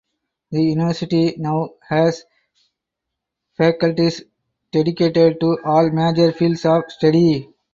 The university now has faculties dedicated to all major fields of study.